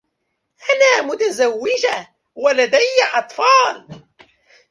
أنا متزوّجة و لديّ أطفال.